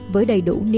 với đầy đủ niềm vui